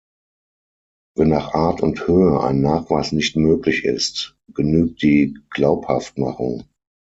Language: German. Wenn nach Art und Höhe ein Nachweis nicht möglich ist, genügt die Glaubhaftmachung.